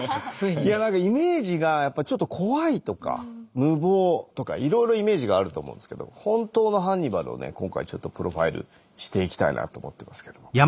イメージがやっぱちょっと怖いとか無謀とかいろいろイメージがあると思うんですけど本当のハンニバルをね今回ちょっとプロファイルしていきたいなと思ってますけども。